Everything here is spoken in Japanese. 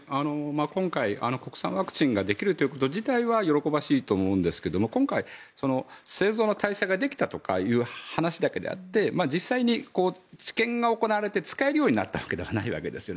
今回、国産ワクチンができるということ自体は喜ばしいと思うんですが今回、製造の体制ができたという話だけであって実際に治験が行われて使えるようになったわけではないわけですよね。